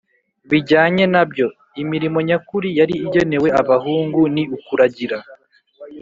bijyanye na byo. Imirimo nyakuri yari igenewe abahungu ni ukuragira